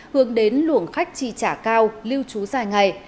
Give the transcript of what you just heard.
hướng đến luồng khách trị trả cao lưu trú dài ngày